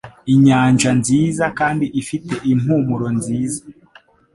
Inyanja nziza kandi ifite impumuro nziza,